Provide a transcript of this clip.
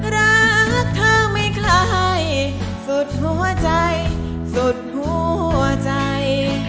รักเธอไม่คล้ายสุดหัวใจสุดหัวใจ